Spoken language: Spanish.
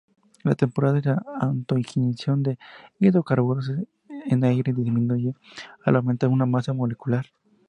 La temperatura de autoignición de hidrocarburos en aire disminuye al aumentar su masa molecular.